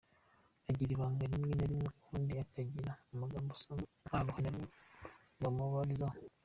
Agira ibanga rimwe na rimwe ubundi akagira amagambo, usanga nta ruhande na rumwe wamubarizaho.